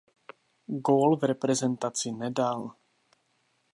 Gól v reprezentaci nedal.